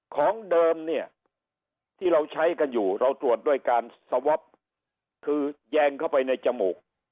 ของเดิมเนี่ยที่เราใช้กันอยู่เราตรวจด้วยการสวอปคือแยงเข้าไปในจมูก